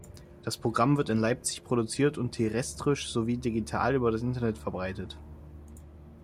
Das Programm wird in Leipzig produziert und terrestrisch sowie digital über das Internet verbreitet.